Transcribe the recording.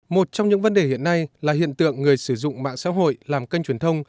một trong những vấn đề hiện nay là hiện tượng người sử dụng mạng xã hội làm kênh truyền thông